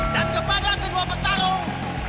dan kepada kedua pertarung